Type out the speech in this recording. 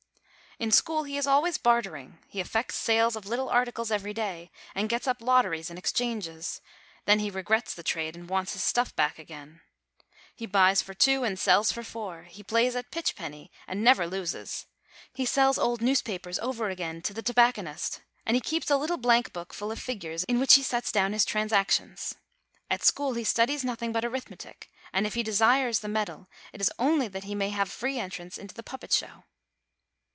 In school, he is always bartering; he effects sales of little articles every day, and gets up lotteries and exchanges; then he regrets the trade, and wants his stuff back again. He buys for two and sells for four ; he plays at pitch penny, and never loses; he sells old newspapers over again to the tobacconist ; and he keeps a little blank book, full of figures, in which he sets down his transactions. At school he studies noth ing but arithmetic; and if he desires the medal, it is only that he may have a free entrance into the puppet show.